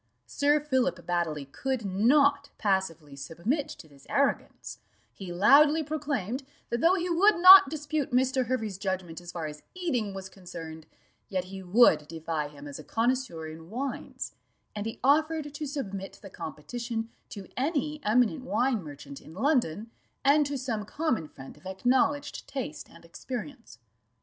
Sir Philip Baddely could not passively submit to this arrogance; he loudly proclaimed, that though he would not dispute Mr. Hervey's judgment as far as eating was concerned, yet he would defy him as a connoisseur in wines, and he offered to submit the competition to any eminent wine merchant in London, and to some common friend of acknowledged taste and experience.